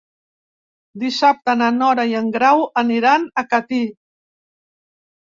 Dissabte na Nora i en Grau aniran a Catí.